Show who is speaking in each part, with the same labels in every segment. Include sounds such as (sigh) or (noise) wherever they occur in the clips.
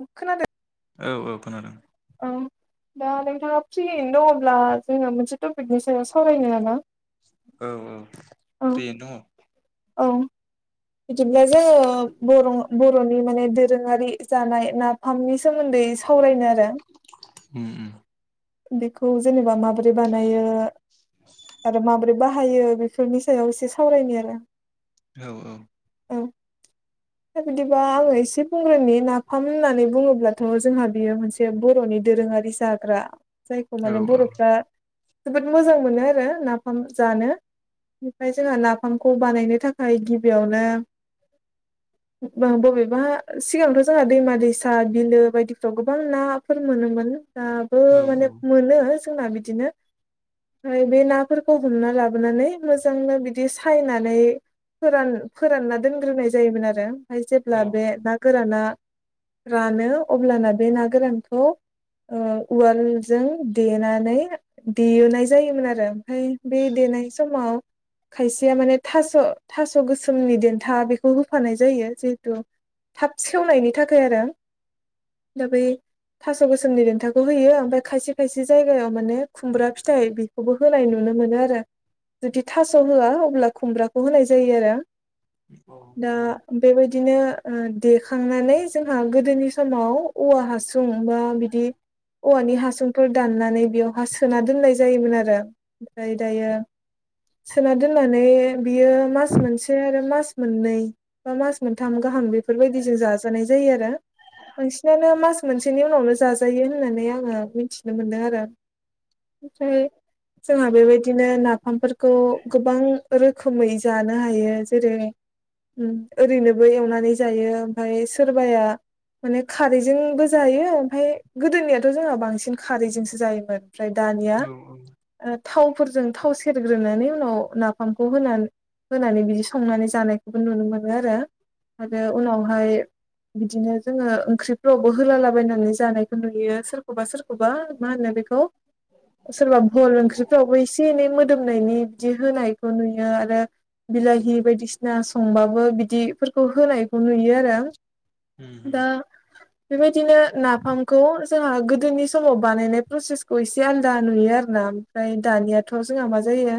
Speaker 1: खोनादों
Speaker 2: औ औ खोनादों।
Speaker 1: औ दा नोंथाङा फ्रियैनो दङब्ला जोङो मोनसे टपिकनि सायाव सावरायनो नामा?
Speaker 2: औ औ
Speaker 1: औ
Speaker 2: फ्रियैनो दङ।
Speaker 1: औ
Speaker 2: (inaudible)
Speaker 1: बिदिब्ला जोङो बर' बर'नि माने दोरोङारि जानाय नाफामनि सोमोन्दै सा फावरायनो आरो।
Speaker 2: उम उम।
Speaker 1: बेखौ जेनेबा माबोरै बानायो। आरो माबोरै बाहायो बेफोरनि सायाव एसे सावरायनि आरो।
Speaker 2: औ औ।
Speaker 1: औ बिदिबा आङो इसे बुंग्रोनि नाफाम होननानै बुङोब्लाथ' जोंहा बियो मोनसे बर'नि। दोरोङारि जाग्रा जायखौ माने
Speaker 2: औ
Speaker 1: बर'फ्रा। जोबोद मोजां मोनो आरो नाफाम जानो। उमफाय जोंहा नाफामखौ बानायनो थाखाय गिबियावनो।
Speaker 2: (inaudible)
Speaker 1: बबेबा सिगांथ' जोंहा दैमा दैसा बिलो बायदिफ्राव गोबां नाफोर मोनोमोन दाबो माने मोनो जोंना बिदिनो ओमफ्राय बे नाफोरखौ हमना लाबोनानै मोजांनो बिदि सायनानै फोरान फोरानना दोनग्रोनाय जायोमोन आरो ओमफफ्राय
Speaker 2: औ
Speaker 1: जेब्ला बे ना गोराना रानो अब्लाना बे ना गोरानखौ उवाल जों देनानै देनाय जायोमोन आरो ओमफ्राय बे देनाय समाव खायसेया माने थास' थास' गोसोमनि देन्था बेखौ होफानाय जायो जिहेथु थाब सेवनायनि थाखाय आरो दा बै थास' गोसोननि देन्थाखौ होयो ओमफ्राय खायसे खायसे जायगायाव माने खुमब्रा फिथाइ बेखौबो होनाय नुनो मोनो आरो जुदि थास' होआ अब्ला खुमब्राखौ होनाय जायो आरो‌ दा
Speaker 2: नंगौ नामा?
Speaker 1: बेबायदिनो देखांनानै जोंहा गोदोनि समाव औवा हासुं बा बिदि औ'आ नि हासुं हासुंखौ दाननानै बेयावहा सोना दोननाय जायोमोन आरो ओमफ्राय दायो सोना दोननानै बियो मास मोनसे आरो मास मोननै बा मास मोनथाम गाहाम गाहाम बेफोरबायदिजों जाजानाय जायो आरो मोनसेयानो मास मोनसेनि उनावनो जाजायो होननानै आङो बे मिथिनो मोनदों आरो ओमफ्राय जोंहा बेबायदिनो ना नाफामफोरखौ गोबां रोखोमै जानो हायो जेरै - ओरैनोबो एवनानै जायो ओमफफ्राय सोरबाया माने खारैजोंबो जायो ओमफफ्राय गोदोनियाथ' जोंहा बांसिन खारैजोनसो जायोमोन‌ ओमफ्राय दया
Speaker 2: औ
Speaker 1: - खुरजों थाव सेरग्रोनानै उनाव नाफामखौ होनानै होनानै बिदि संनानै जानायखौबो नुनो मोनो आरो आरो उनावहाय बिदिनो जोङो ओंख्रिफ्रावबो होलालाबायनानै जानायखौ नुयो सोरखौबा सोरखौबा बा मा होनो बेखौ सोरबा भल ओंख्रिफ्रावबो एसे एनै मोदोम होननि बिदि होनायखौ नुयो आरो बिलाहि बायदिसिना संबाबो बिदिफोरखौ होनायखौ नुयो आरो
Speaker 2: उम उम
Speaker 1: दा बेबायदिनो नाफामखौ जोंहा गोदोनि समाव बानायनाय प्रसेसखौ एसे आलादा नुयो आरोना ओमफ्राय दानियाथ' जोंहा मा जायो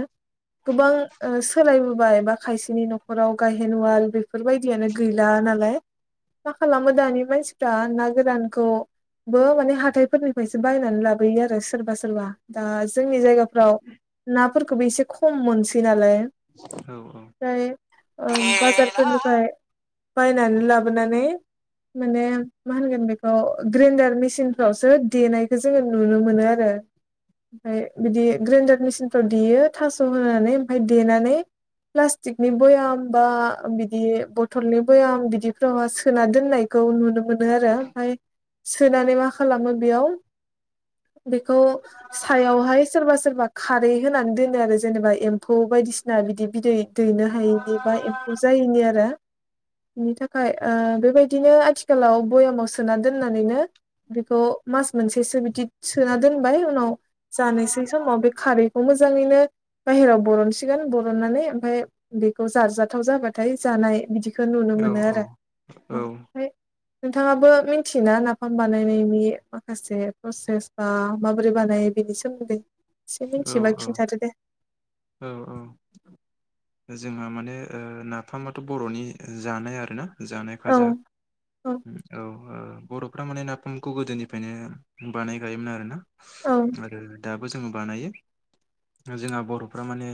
Speaker 1: गोबां सोलायबोबाय बा खायसेनि न'खराव गाहेन उआल बेफोरबायदियानो गैला नालाय मा खालामो दानि मानसिफ्रा ना गोरानखौ बो माने हाथथायफोरनि बिसोर बायनानै लाबोयो आरो सोरबा सोरबा दा जोंनि जायगाफ्राव नाफोरखौबो एसे खम मोनसै नालाय
Speaker 2: औ औ
Speaker 1: ओमफ्राय बाजारफोरनिफ्राय बायनानै लाबोनानै माने मा होनगोन बेखौ ग्रेडार मिसिनफ्रावसो देनायखौ जोङो नुनो मोनो आरो ओ बिदि ग्रेन्दार मिसिनफोराव देयो थास' होनानै ओमफ्राय देनानै प्लास्टिकनि बयाम बा बिदि बथलनि बयाम बिदिफोराव सोना दोननायखौ (inaudible) बेखौ सायावहाय सोरबा सोरबा खारै होनानै दोनो आरो जेनेबा एम्फौ बाय बायदिसिना बिदि बिदै दैनो हायैनि बा एम्फौ जायैनि आरो बिनि थाखाय ओ बेबायदिनो आथिखालाव बयामाव सोना दोननानैनो बेखौ मास मोनसेसो बिदि सोना दोनबाय उनाव जानोसै समाव बे खारैखौ मोजाङैनो बाहेराव बरनसिगोन बरननानै ओमफफ्राय बेखौ जाजाथाव जाबाथाय जानाय बिदि बेखौ नुनो मोनो आरो
Speaker 2: औ
Speaker 1: फ्राय नोंथाङा बो मिथियोना नाफाम बानायनायनि। माखासे प्रसेसा माबोरै बानायो बेनि सोमोन्दै।
Speaker 2: औ
Speaker 1: मिथिबा खिन्थादो दे
Speaker 2: औ औ औ। जोंहा माने ओ नाफामाथ' बर'नि जानाय आरोना। जानाय
Speaker 1: औ
Speaker 2: भाजा
Speaker 1: औ
Speaker 2: औ ओ। बर'फ्रा माने नाफामखौ गोदोनिफ्रायनो बानायखायोमोन आरोना
Speaker 1: औ
Speaker 2: आरो दाबो जा जोङो बानायो। जोंहा बर'फ्रा माने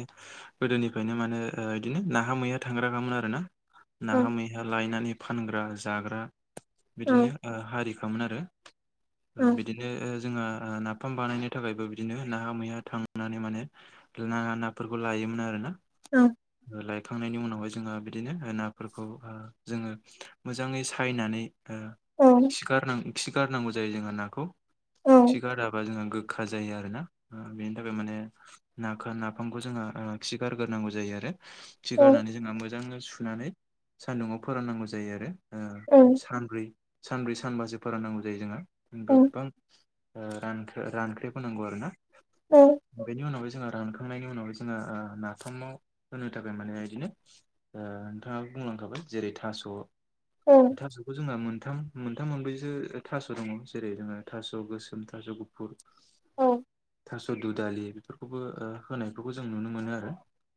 Speaker 2: गोदोनिफ्रायनो माने बिदिनो नाहा मैहा थांग्रा खामोन आरोना।
Speaker 1: औ
Speaker 2: नाहा मैहा लायनानै फानग्रा जाग्रा
Speaker 1: औ
Speaker 2: बिदिनो हारिखौ। खामोन आरो
Speaker 1: औ
Speaker 2: बिदिनो जोंहा नाफाम बानायनो थाखायबो। बिदिनो नाहा मैहा थांनानै माने नाङा नाफोरखौ लायोमोन आरोना।
Speaker 1: औ
Speaker 2: लायखांनायनि उनावहाय जोंहा बिदिनो नाफोरखौ जोङो मोजाङै सायनानै। ओ
Speaker 1: औ
Speaker 2: खि गारनां खि गारनांगौ जायो जोंहा नाखौ खि गाराब्ला जोंहा गोखा जायो आरो। आरोना बेनि थाखाय माने नाखौ नाफामखौ जोङो खि गारगोरनांगौ जायो आरो। खि
Speaker 1: औ
Speaker 2: गारनानै जोंहा मोजाङै सुनानै सान्दुंङाव फोराननांगौ जायो आरो। ओ
Speaker 1: औ
Speaker 2: सानब्रै सानब्रै सानबासो फोराननांगौ जायो जोंहा
Speaker 1: औ
Speaker 2: गोबां रान रानख्रेब होनांगौ आरोना
Speaker 1: औ
Speaker 2: बेनि उनाव जोंहा रानखांनायनि उनावहाय जोङो नाफामाव होनो थाखाय माने बिदिनो ओ नोंथाङा। बुंलांखाबाय जेरै थास'
Speaker 1: औ
Speaker 2: थास'खौ जोंहा मोनथाम मोनथाम मोनब्रैसो थास' दङ जेरै जोङो थास' गोसोम थास' गुफुर।
Speaker 1: औ
Speaker 2: थास' दुदालि बेफोरखौबो होनायफोरखौ जों नुनो मोनो आरो।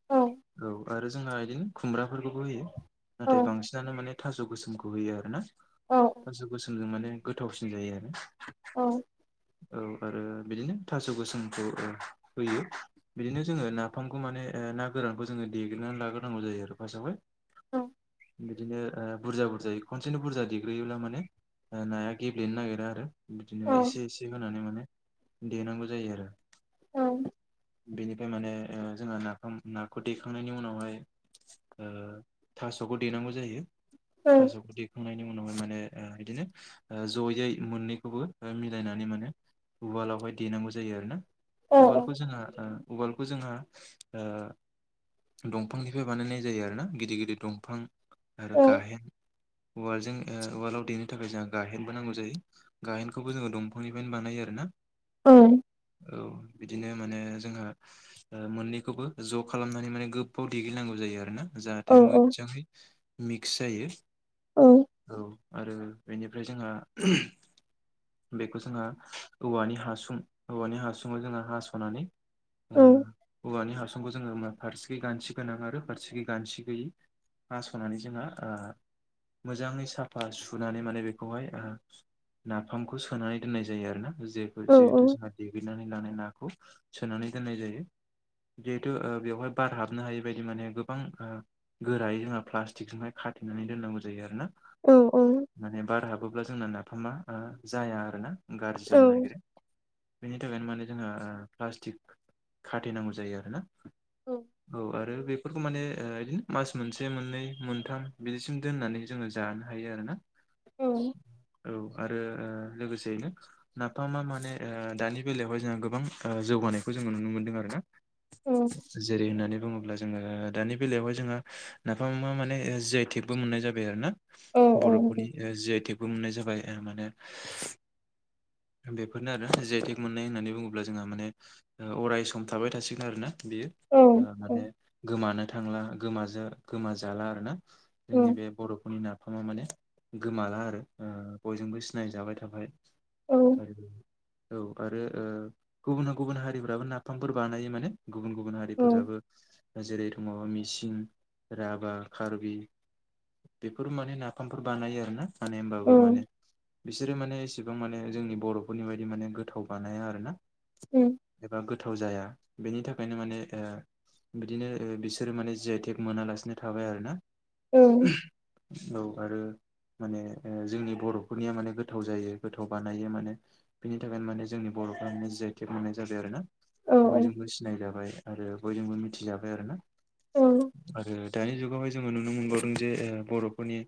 Speaker 1: औ
Speaker 2: औ आरो जोंहा बिदिनो खुमब्राफोरखौबो होयो।
Speaker 1: औ
Speaker 2: नाथाय बांसिनानो माने थास' गोसोमखौ होयो आरोना
Speaker 1: औ
Speaker 2: थास' गोसोम। जों माने गोथावसिन जायो आरो।
Speaker 1: औ
Speaker 2: औ आरो बिदिनो। थास' गोसोमखौ होयो बिदिनो जोङो नाफामखौ माने ना गोरानखौ जोङो देग्लि लाग्रोनांगौ जायो आरो फासावहाय।
Speaker 1: औ
Speaker 2: बिदिनो ओ बुरजा बुरजायै खनसेनो बुरजा देग्रोयोब्ला माने नाया गेब्लेनो नागिरा आरो।
Speaker 1: औ
Speaker 2: बिदिनो एसे एसे होनानै माने। देनांगौ जायो आरो।
Speaker 1: औ
Speaker 2: बेनिफ्राय माने ओ जोंहा नाफाम नाखौ देखांनायनि उनावहाय। ओ थास'खौ देनांगौ जायो थास'खौ देखांनायनि। उनावहाय माने बिदिनो जयै मोननैखौबो मिलायनानै माने। उवालावहाय देनांगौ जायो आरोना उवालखौ जोङो ओ। उवालखौ जोंहा ओ दंफांनिफ्राय बानायनाय जायो आरोना गिदिर गिदिर दंफां आरो गाहेन उवालजों ओ उवालआव देनो थाखाय जों गाहेनबो नांगौ जायो गाहेनखौबो जोङो दंफांनिफ्रायनो बानायो आरोना
Speaker 1: (inaudible)
Speaker 2: औ बिदिनो माने जोंहा मोननैखौबो ज' खालामनानै माने गोबाव देग्लिनांगौ जायो आरोना
Speaker 1: औ
Speaker 2: जाहाथे मोजाङै मिक्स जायो औ आरो बेनिफ्राय जोंहा बेखौ जोंहा औवानि हासुं औवानि हासुङाव जोंहा हास'नानै ओ औवानि हा सुंखौ जोङो फारसेखि गानथि गोनां आरो फारसेखै गानथि गैयै हास'नानै जोंहा ओ मोजाङै साफा सुनानै माने बेखौहाय ओ नाफामखौ सोनानै दोननाय जायो आरोना जेफोर
Speaker 1: औ
Speaker 2: जे देग्लिनानै लानाय नाखौ सोनानै दोननाय जायो जिहेथु बेवहाय बार हाबनो हायै बायदि माने गोबां गोरायै जोंहा प्लास्टिकजोंहाय खाथेनानै दोननांगौ जायो आरो ना माने बार हाबोब्ला जोंना नाफामा जाया आरो ना गाज्रि जानो नागेरो बेनि थाखायनो माने जोंहा प्लास्टिक खाथेनांगौ जायो आरोना औ ओ आरो बेफोरखौ माने बिदिनो मास मोनसे मोननै मोनथाम बिदिसिम दोननानै जोङो जानो हायो आरो ना औ आरो लोगोसेयैनो नाफामा माने दानि बेलायावहाय जोंहा गोबां जौगानायखौ जोङो नुनो मोनदों आरोना जेरै होननानै बुङो ब्ला जोङो दानि बेलायावहाय जोंहा नाफामा माने जि आइ टेकबो मोननाय जाबाय आरो ना बर'फोरनि जि आइ टेगबो मोननाय जाबाय माने बेफोर आरो जि आइ टेग मोननाय होननानै बुङोब्ला जोंहा माने अराय सम थाबाय थासिगोन आरो ना बेयो माने गोमानो थांला गोमाजों गोमाजाला आरोना जोंनि बे बर'फोरनि नाफामा माने गोमाला आरो ओ बयजोंबो सिनायजाबाय थाबाय आरो औ आरो गुबुना गुबुन हारिफ्राबो नाफामफोर बानायो माने गुबुन गुबुन हारिफोराबो जेरै दङ मिसिं, राभा, कार्बि बेफोर माने नाफामफोर बानायो आरोना माने होनोमबाबो माने बिसोरो माने इसेबां माने जोंनि बर'फोरनि बायदि बि माने गोथाव बानाया आरोना एबा गोथाव जाया बेनि थाखायनो माने ओ बिदिनो बिसोरो माने जि आइ टेग मोनालासिनो थाबाय आरोना औ आरो माने जोंनि बर'फोरनिया माने गोथाव जायो गोथाव बानायो माने बिनि थाखायनो माने जोंनि बर'फ्रा जि आइ टेग मोननाय जाबाय आरो ना बयजोंबो सिनाय जाबाय आरो बयजोंबो मिथिजाबाय आरोना आरो दानि जुगावहाय जोङो नुनो मोनबावदों जे बर'फोरनि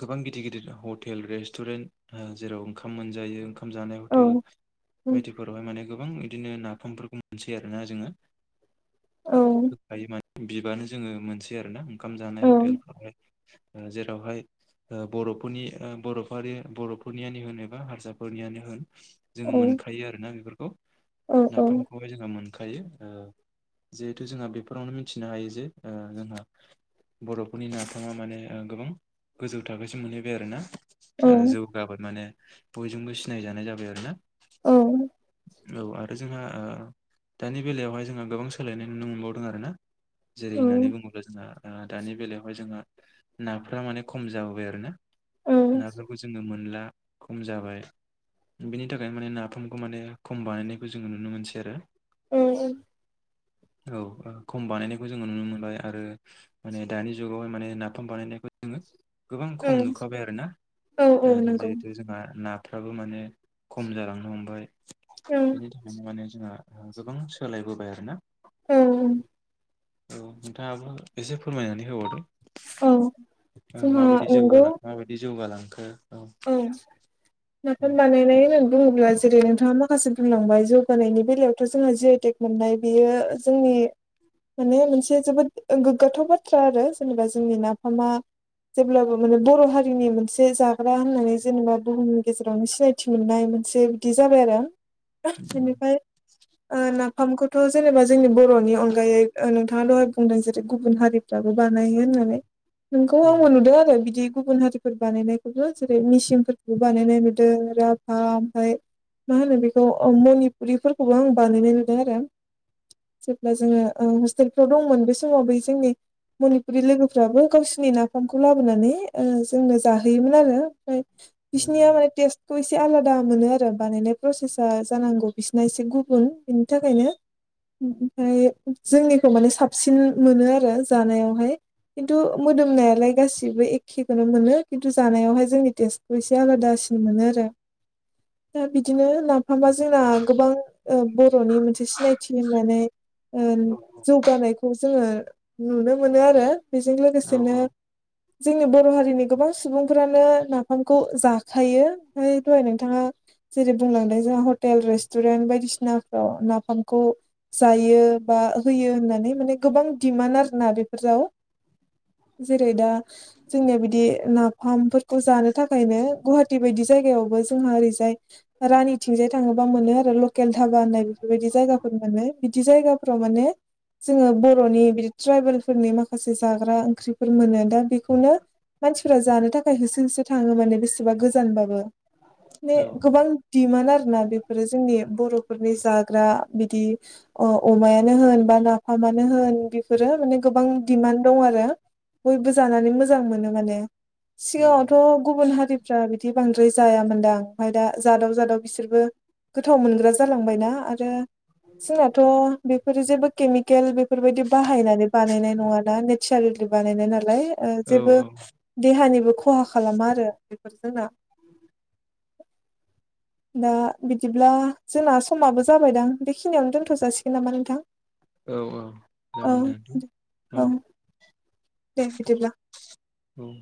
Speaker 2: गोबां गिदिर गिदिर हटेल रेस्टुरेन्ट जेराव ओंखाम मोनजायो ओंखाम जानाय हटेल बायदिफोरावहाय माने गोबां बिदिनो नाफामफोरखौ मोनसै आरो ना जोङो होखायो माने बिबानो जोङो मोनसै आरोना ओंखाम जानाय हटेलफोरावहाय जेरै बावहाय बर'फोरनि बर'फोरारि बर'फोरनियानो होन एबा हारसाफोरनियानो होन जोङो मोनखायो आरोना बेफोरखौ नाफामखौहाय जोंहा मोनखायो ओ जिहेथु जोंहा बेफोरावनो मिथिनो हायो जे जोंहा बर'फोरनि नाफामा माने गोबां गोजौ थाखोसिम मोनहैबाय आरोना जौगाबाय माने बयजोंबो सिनायजानाय जाबाय आरो ना
Speaker 1: औ
Speaker 2: औ आरो जोंहा दानि बेलायावहाय जोंहा गोबां सोलायनाय नुनो मोनबावदों आरोना जेरै होननानै बुङोब्ला जोंहा ओ दानि बेलायावहाय जोंहा नाफ्रा माने खम जाबोबाय आरोना। नाफोरखौ जोङो मोनला खम जा बाय बिनि थाखायनो माने नाफामखौ माने खम बानायनायखौ जोङो नुनो मोनसै आरो।
Speaker 1: उम।
Speaker 2: (inaudible) औ खम बानायनायखौ जोङो नुनो मोनबाय आरो माने दानि जुगावहाय माने नाफाम बानायनायखौ जोङो गोबां खम नुखाबाय आरोना ओ
Speaker 1: औ नंगौ
Speaker 2: जिहेथु जोंहा नाफ्राबो माने खम जालांनो हमबाय
Speaker 1: औ
Speaker 2: बेनि थाखायनो माने जोंहा गोबां सोलायबोबाय आरोना।
Speaker 1: औ औ।
Speaker 2: औ नोंथाङाबो एसे फोरमायनानै होबावदो।
Speaker 1: औ
Speaker 2: औ
Speaker 1: जोंहा
Speaker 2: माबायदि
Speaker 1: नंगौ
Speaker 2: जौगांलां माबायदि जौगालांखो?
Speaker 1: औ
Speaker 2: औ
Speaker 1: नाफाम बानायनाय होननानै बुङोब्ला जेरै नोंथाङा माखासे बुंलांबाय जौगानायनि बेलायावथ' जोङो जियाइटेक मोननाय बियो जोंनि माने मोनसे जोबोद गोग्गाथाव बाथ्रा आरो जेनेबा जोंनि नाफामा जेब्लाबो माने बर' हारिनि मोनसे जा ग्रा होननानै जेनेबा बुहुमनि गेजेरावनो सिनायथि मोननाय मोनसे बिदि जाबाय आरो। (unintelligible) बिनिफ्राय ओ नाफामखौ थ' जेनेबा जोंनि बर'नि अनगायै ओ नोंथाङा दहाय बुंदों जेरै गुबुन हारिफ्राबो बानायो होननानै। नोंगौ आबो नुदों आरो बिदि गुबुन हारिफोर बानायनाय। (unintelligible) जेरै मेसिंनफोरखौबो बानायनाय नुदों राभा ओमफ्राय मा होनो बेखौ अ मनिपुरिफोरखौबो आं बानायनाय नुदों आरो। जेब्ला जोङो ओ हस्टेलफ्राव दंमोन बे समाव बै जोंनि मनिपुरि लोगोफ्राबो गावसोरनि नाफामखौ लाबोनानै ओ जोंनो जा होयोमोन आरो ओमफ्राय
Speaker 2: औ
Speaker 1: बिसोरनिया माने टेस्टखौ एसे एसे आलादा मोनो आरो बानायनाय प्रसेसा जानांगौ बिसिना एसे गुबुन बिनि थाखायनो ओमफ्राय जोंनिखौ माने साबसिन मोनो आरो जानायावहाय। खिन्थु मोदोमनायालाय गासिबो एखेखौनो मोनो। खिन्थु जानायावहाय जोंनि टेस्टखौ एसे आलादासिन मोनो आरो दा बि दिनो नाफामा जोंना गोबां ओ बर'नि मोनसे सिनायथि होननानै ओ जौगानायखौ जोङो नुनो मोनो आरो बेजों
Speaker 2: औ
Speaker 1: लोगोसेनो
Speaker 2: औ
Speaker 1: जोंनि बर' हारिनि गोबां सुबुंफ्रानो नाफामखौ जाखायो ओमफ्राय दहाय नोंथाङा जेरै बुंलांदों जोंहा ह तेल रेस्टुरेन्ट बायदिसिनाफ्राव नाफामखौ जायो बा होयो होननानै माने गोबां दिमान्ड आरो ना बेफोराव जेरै दा जोंनिया बिदि ना फामफोरखौ जानो थाखायनो गुवाहाटि बायदि जायगायावबो जोंहा ओरैजाय रानिथिंजाय थाङो बा मोनो आरो लकेल धाबा होननाय बेफोरबायदि जायगाफोर मोनो बिदि जायगाफोराव माने जोङो बर'नि बिदि ट्राइबेलफोरनि माखासे जाग्रा ओंख्रिफोर मोनो दा बेखौनो मानसिफोरा जानो थाखाय होसो होसो थाङो माने बेसेबा गोजानबाबो। माने
Speaker 2: औ
Speaker 1: गोबां डिमान्ड आरो ना बेफोरो जोंनि बर' फोरनि जाग्रा बिदि अ-अमायानो होन बा नाफामानो होन बेफोरो माने गोबां दिमान्ड दं आरो बयबो जानानै मोजां मोनो माने। सिगाङावथ' गुबुन हारि फ्रा बिदि बांद्राय जायामोनदां ओमफ्राय दा जादाव जादाव बिसोरबो गोथाव मोनग्रा जालांबायना आरो जोंनाथ' बेफोरो जेबो केमिकेल बेफोरबायदि बाहायनानै बानायनाय नङाना नेचारेल बानायनाय नालाय ओ
Speaker 2: औ
Speaker 1: जेबो देहानिबो खहा खालामा आरो बेफोर जोंना।
Speaker 2: (inaudible)
Speaker 1: दा बिदिब्ला जोंना समाबो जाबायदां बेखिनियावनो दोनथ' जासिगोन नामा नोंथां?
Speaker 2: औ औ
Speaker 1: औ
Speaker 2: जागोन दे औ।
Speaker 1: दे बिदिब्ला
Speaker 2: औ औ